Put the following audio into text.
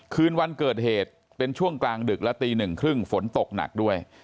คืนวันเกิดเหตุเป็นช่วงกลางดึกและตีหนึ่งครึ่งฝนตกหนักด้วย